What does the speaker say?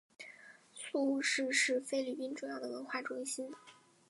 宿雾市是菲律宾重要的文化中心。